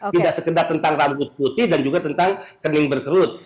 tidak sekedar tentang rambut putih dan juga tentang kening berkerut